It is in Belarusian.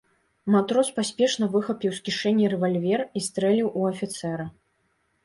Матрос паспешна выхапіў з кішэні рэвальвер і стрэліў у афіцэра.